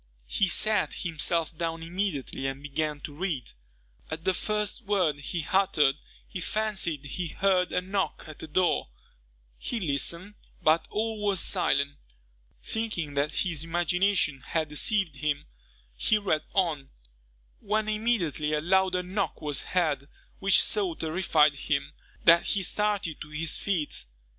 He sat himself down immediately and began to read. At the first word he uttered, he fancied he heard a knock at the door. He listened, but all was silent. Thinking that his imagination had deceived him, he read on, when immediately a louder knock was heard, which so terrified him, that he started to his feet.